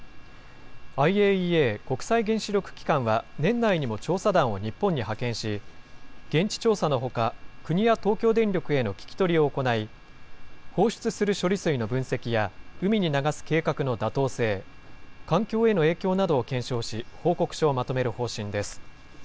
ＩＡＥＡ・国際原子力機関は年内にも調査団を日本に派遣し、現地調査のほか、国や東京電力への聞き取りを行い、放出する処理水の分析や、海に流す計画の妥当性、環境への影響などを検証し、報告書をまとめる方針です。